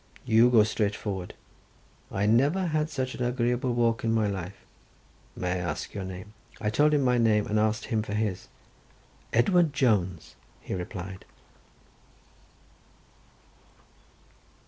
You go straight forward. I never had such an agreeable walk in my life. May I ask your name?" I told him my name, and asked him for his. "Edward Jones," he replied.